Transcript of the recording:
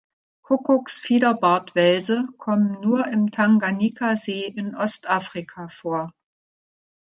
Kuckucks-Fiederbartwelse kommen nur im Tanganjikasee in Ostafrika vor.